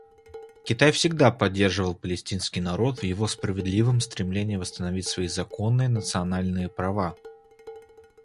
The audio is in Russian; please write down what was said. Китай всегда поддерживал палестинский народ в его справедливом стремлении восстановить свои законные национальные права.